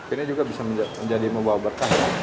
ini juga bisa menjadi membawa berkah